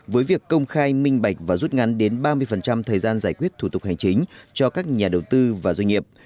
với việc công khai minh bạch và rút ngắn đến ba mươi thời gian giải quyết thủ tục hành chính cho các nhà đầu tư và doanh nghiệp